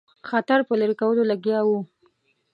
خطر په لیري کولو لګیا وو.